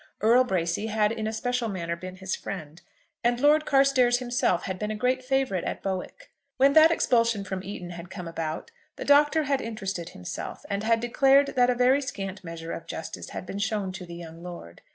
Earl Bracy had in a special manner been his friend, and Lord Carstairs himself had been a great favourite at Bowick. When that expulsion from Eton had come about, the Doctor had interested himself, and had declared that a very scant measure of justice had been shown to the young lord.